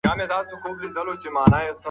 موږ به تل خپله خپلواکي ساتو.